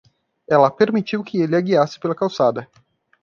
Ela permitiu que ele a guiasse pela calçada.